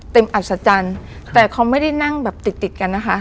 อัศจรรย์แต่เขาไม่ได้นั่งแบบติดติดกันนะคะ